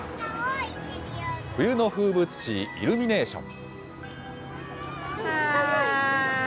冬の風物詩、イルミネーション。